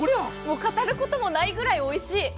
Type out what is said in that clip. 語ることもないくらいおいしい。